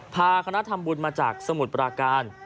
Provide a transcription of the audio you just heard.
พาคณะธรรมบุญมาจากสมุดปราการ